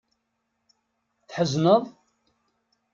Tḥezneḍ?